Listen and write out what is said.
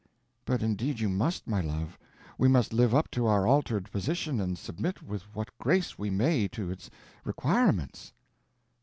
"But indeed you must, my love—we must live up to our altered position and submit with what grace we may to its requirements."